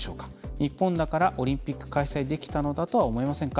日本だからオリンピック開催できたのだとは思えませんか？